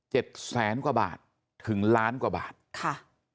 แสนกว่าบาทถึงล้านกว่าบาทค่ะ